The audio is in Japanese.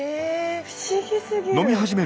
不思議すぎる。